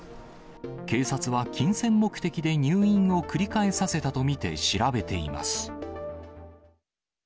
警察は金銭目的で入院を繰り返させたと見て調べています。